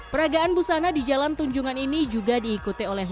peragaan busana di jalan tunjungan ini juga diikuti oleh